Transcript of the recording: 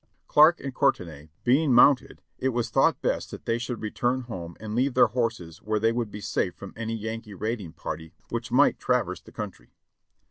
Clarke and Courtenay being mounted it was thought best that they should return home and leave their horses where they would be safe from any Yankee raiding party which might traverse the country.